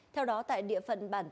theo đó tại địa phận bản